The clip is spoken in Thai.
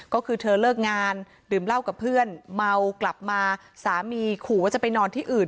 ก็คือเธอเลิกงานดื่มเหล้ากับเพื่อนเมากลับมาสามีขู่ว่าจะไปนอนที่อื่น